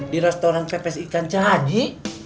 di restoran cepes ikan caji